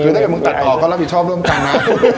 คือถ้าเกิดมึงตัดต่อก็รับผิดชอบร่วมกันนะ